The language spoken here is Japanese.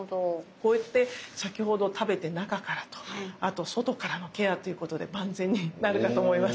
こうやって先ほど食べて中からとあと外からのケアということで万全になるかと思います。